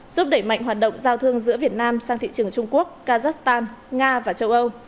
giúp đẩy mạnh hoạt động giao thương giữa việt nam sang thị trường trung quốc kazakhstan nga và châu âu